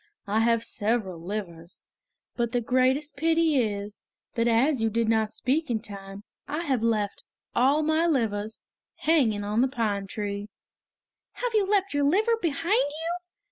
I have several livers. But the greatest pity is, that as you did not speak in time, I have left all my livers hanging on the pine tree." "Have you left your liver behind you?"